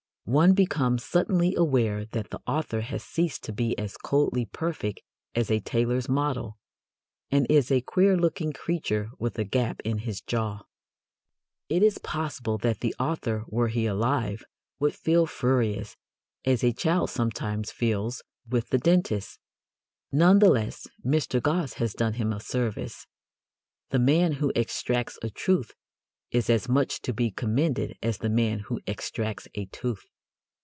One becomes suddenly aware that the author has ceased to be as coldly perfect as a tailor's model, and is a queer looking creature with a gap in his jaw. It is possible that the author, were he alive, would feel furious, as a child sometimes feels with the dentist. None the less, Mr. Gosse has done him a service. The man who extracts a truth is as much to be commended as the man who extracts a tooth.